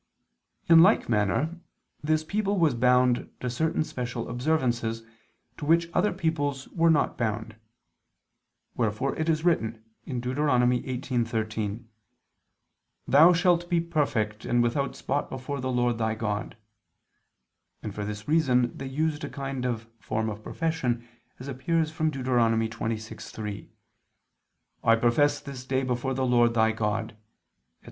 In like manner this people was bound to certain special observances, to which other peoples were not bound. Wherefore it is written (Deut. 18:13): "Thou shalt be perfect and without spot before the Lord thy God": and for this reason they used a kind of form of profession, as appears from Deut. 26:3: "I profess this day before the Lord thy God," etc.